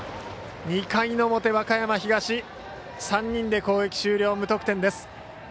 ２回の表、和歌山東３人で攻撃終了、無得点です。